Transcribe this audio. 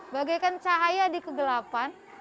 bagaikan cahaya di kegelapan